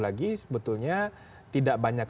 lagi sebetulnya tidak banyak